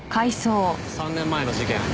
３年前の事件